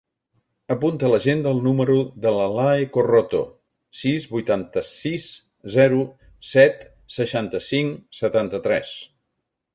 Apunta a l'agenda el número de l'Alae Corroto: sis, vuitanta-sis, zero, set, seixanta-cinc, setanta-tres.